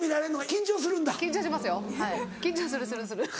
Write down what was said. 緊張するするする。